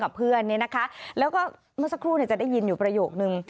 เพื่อนเนี่ยนะคะแล้วก็เมื่อสักครู่จะได้ยินอยู่ประโยคนึง